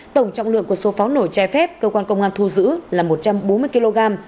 tổng trọng lượng của số pháo nổi trái phép cơ quan công an thu giữ là một trăm bốn mươi kg